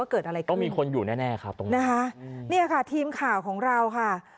เกิดอะไรขึ้นต้องมีคนอยู่แน่แน่ครับตรงนี้นะคะเนี่ยค่ะทีมข่าวของเราค่ะ